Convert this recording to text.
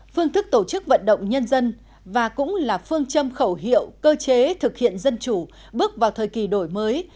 phương thức tổ chức vận động nhân dân và cũng là phương châm khẩu hiệu cơ chế thực hiện dân chủ bước vào thời kỳ đổi mới